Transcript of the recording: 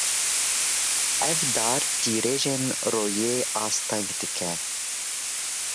Ev dar tîrêjên royê asteng dike.